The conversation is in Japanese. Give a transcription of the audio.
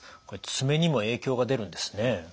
これ爪にも影響が出るんですね。